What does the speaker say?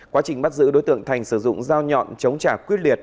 quá trình bắt giữ đối tượng thành sử dụng dao nhọn chống trả quyết liệt